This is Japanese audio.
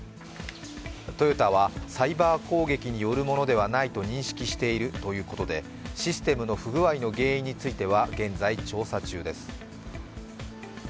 トヨタはサイバー攻撃によるものではないと認識しているということでシステムの不具合の原因については現在、調査中です。